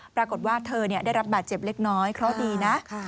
ปรากฏว่าเธอได้รับบาดเจ็บเล็กน้อยเพราะดีนะ